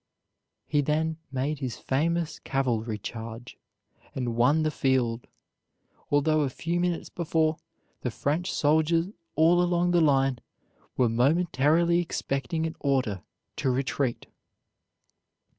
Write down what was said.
He then made his famous cavalry charge, and won the field, although a few minutes before the French soldiers all along the line were momentarily expecting an order to retreat.